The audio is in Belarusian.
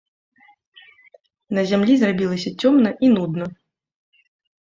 На зямлі зрабілася цёмна і нудна.